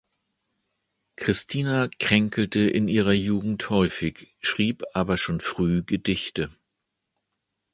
Christina kränkelte in ihrer Jugend häufig, schrieb aber schon früh Gedichte.